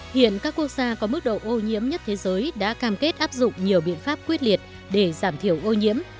hiện các quốc gia có mức độ ô nhiễm nhất thế giới đã cam kết áp dụng nhiều biện pháp quyết liệt để giảm thiểu ô nhiễm